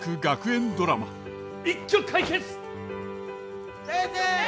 一挙解決！